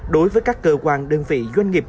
đối với các cơ quan đơn vị doanh nghiệp